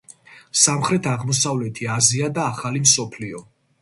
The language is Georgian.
სამხრეთ-აღმოსავლეთი აზია და ახალი მსოფლიო.